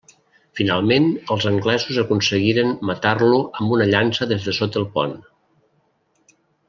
Finalment els anglesos aconseguiren matar-lo amb una llança des de sota el pont.